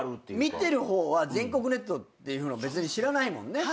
見てる方は全国ネットって別に知らないもんね。